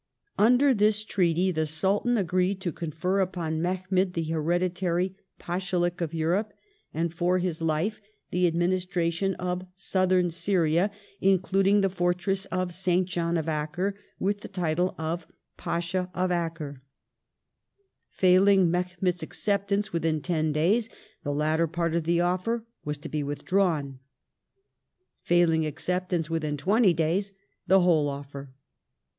Under this treaty the Sultan agreed to confer upon Mehemet Treaty of the hereditary Pashalik of Egypt, and, for his life, the administra ^u°iy^°"ih tion of Southern Syria, including the fortress of St. John of Acre, 1840 with the title of Pasha of Acre. Failing Mehemet's acceptance within ten days, the latter part of the offer was to be withdrawn ; failing acceptance within twenty days, the whole offer.